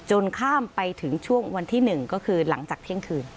ข้ามไปถึงช่วงวันที่๑ก็คือหลังจากเที่ยงคืน